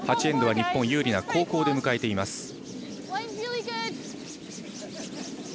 ８エンドは日本有利な後攻で迎えています。